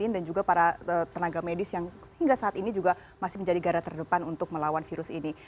dan juga para tenaga medis yang hingga saat ini juga masih menjadi gara terdepan untuk melawan virus ini